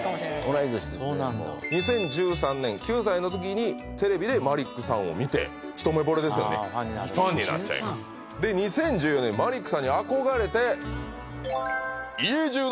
同い年ですね２０１３年９歳の時にテレビでマリックさんを見て一目ぼれですよねファンになっちゃいますで「２０１４年マリックさんに憧れて」